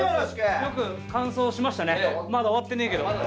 まだ終わってねえけど。